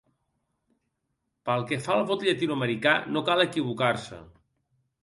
Pel que fa al vot llatinoamericà no cal equivocar-se.